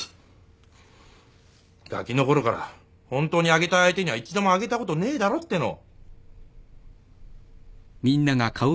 がきのころから本当にあげたい相手には一度もあげたことねえだろっての。